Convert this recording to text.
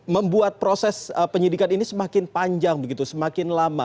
membuat proses penyidikan ini semakin panjang begitu semakin lama